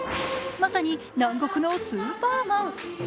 まさに南国のスーパーマン。